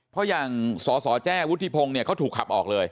เพราะอย่างสสแจ้วุฒิพงศ์เนี่ยเขาถูกขับออกเลย